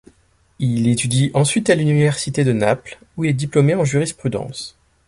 Il étudie ensuite à l'Université de Naples où il est diplômé en Jurisprudence.